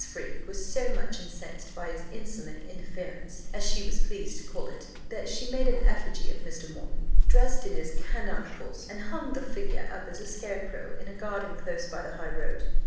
Freke was so much incensed by his insolent interference, as she was pleased to call it, that she made an effigy of Mr. Moreton dressed in his canonicals, and hung the figure up as a scarecrow in a garden close by the high road.